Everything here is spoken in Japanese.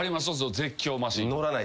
絶叫マシン。